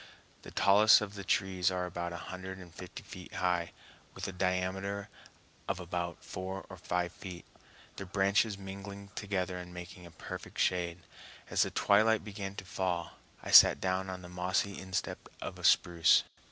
The tallest of the trees are about a hundred and fifty feet high, with a diameter of about four or five feet, their branches mingling together and making a perfect shade. As the twilight began to fall, I sat down on the mossy instep of a spruce.